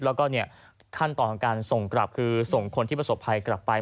แล้วก็ขั้นต่อการส่งคนที่ประสบภัยกลับไป